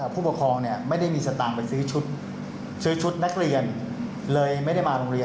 ผู้ปกครองไม่ได้มีสตางค์ไปซื้อชุดซื้อชุดนักเรียนเลยไม่ได้มาโรงเรียน